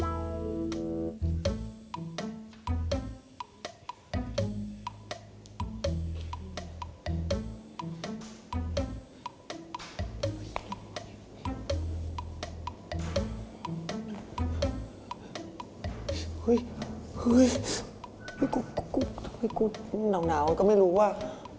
เฮ้ยทำไมกูหนาวก็ไม่รู้ว่า